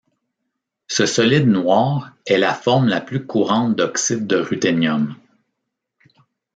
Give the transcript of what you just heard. Ce solide noir est la forme la plus courante d'oxydes de ruthénium.